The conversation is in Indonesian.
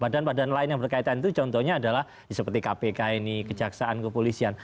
badan badan lain yang berkaitan itu contohnya adalah seperti kpk ini kejaksaan kepolisian